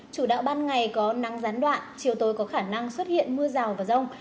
chủ đạo ban ngày có nắng gián đoạn chiều tối có khả năng xuất hiện mưa rào và rông